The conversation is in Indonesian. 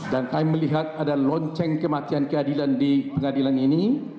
dan kami melihat ada lonceng kematian keadilan di pengadilan ini